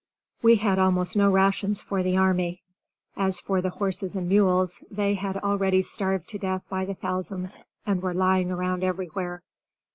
We had almost no rations for the army. As for the horses and mules, they had already starved to death by the thousands, and were lying around everywhere.